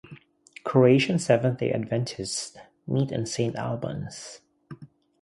Croatian Seventh-Day adventists meet in Saint Albans.